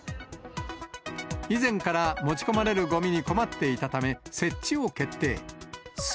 以前から持ち込まれるごみに困っていたため、設置を決定。